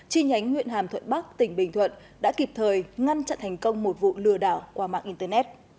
chi nhánh huyện hàm thuận bắc tỉnh bình thuận đã kịp thời ngăn chặn thành công một vụ lừa đảo qua mạng internet